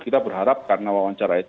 kita berharap karena wawancara itu